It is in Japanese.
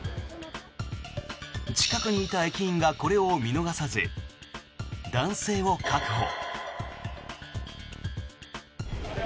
近くにいた駅員がこれを見逃さず男性を確保。